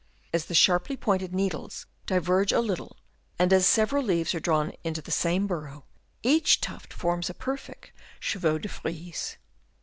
As the sharply pointed needles diverge a little, and as several leaves are drawn into the same burrow, each tuft forms a perfect chevaux de frise.